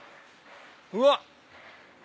うわっ！